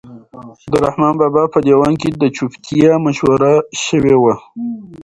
د رحمان بابا په دیوان کې د چوپتیا مشوره شوې وه.